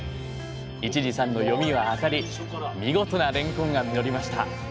市次さんの読みは当たり見事なれんこんが実りました。